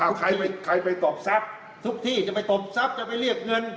เอาใครไปตอกทรัพย์ทุกที่จะไปตบทรัพย์จะไปเรียกเงิน